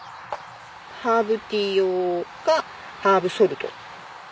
ハーブティー用かハーブソルト。